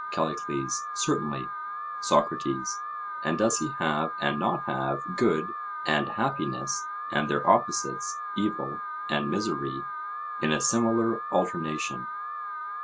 CALLICLES: Certainly. SOCRATES: And does he have and not have good and happiness, and their opposites, evil and misery, in a similar alternation?